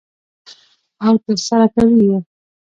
او ترسره کوي یې.